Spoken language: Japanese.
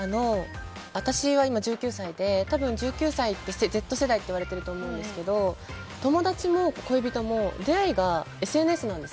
私は１９歳で多分、１９歳ってＺ世代って言われてると思うんですけど友達も恋人も出会いがＳＮＳなんです。